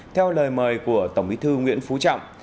theo lời mời của tổng bí thư nguyễn phú trọng